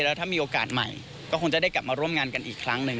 แล้วถ้ามีโอกาสใหม่ก็คงจะได้กลับมาร่วมงานกันอีกครั้งหนึ่ง